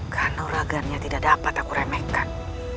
kanuragannya tidak dapat aku remekkan